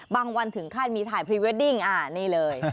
วันถึงขั้นมีถ่ายพรีเวดดิ้งนี่เลย